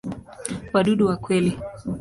Wadudu wa kweli.